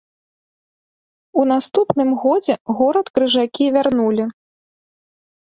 У наступным годзе горад крыжакі вярнулі.